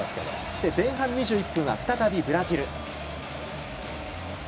そして前半２１分は再び、ブラジル。